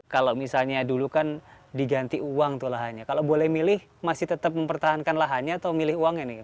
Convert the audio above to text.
kalau misalnya dulu kan diganti uang tuh lahannya kalau boleh milih masih tetap mempertahankan lahannya atau milih uangnya nih